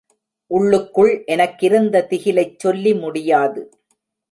உள்ளுக்குள் எனக்கிருந்த திகிலைச் சொல்லி முடியாது.